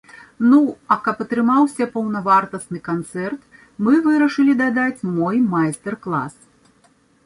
Ну, а каб атрымаўся паўнавартасны канцэрт, мы вырашылі дадаць мой майстар-клас.